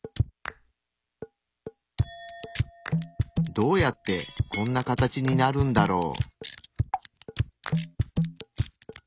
どうやってこんな形になるんだろう？